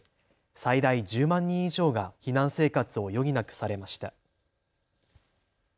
最大１０万人以上が避難生活を余儀なくされました。